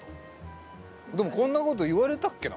でもこんな事言われたっけな？